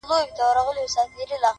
نن مي په دېوان کي د جانان حماسه ولیکه-